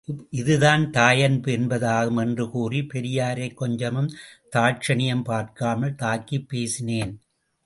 இதுதான் தாயன்பு என்பதாகும் என்று கூறி, பெரியாரைக் கொஞ்சமும் தாட்சண்யம் பார்க்காமல் தாக்கிப் பேசினேன்.